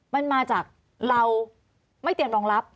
มันมาจากเราไม่เตรียมรองรับ